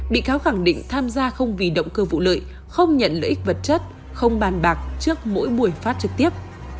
bị cáo khẳng định tham gia không vì động cơ vụ lợi không nhận lợi ích vật chất không bàn bạc trước mỗi buổi phát trực tiếp